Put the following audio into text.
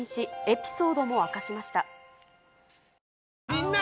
みんな！